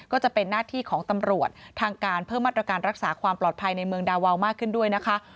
ก็จะเป็นหน้าที่ของตำรวจทางการเพิ่มมาตรการรักษาความปลอดภัยในเมืองดาวาวมากขึ้นด้วยนะคะ